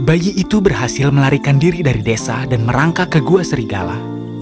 bayi itu berhasil melarikan diri dari desa dan merangkak ke gua serigala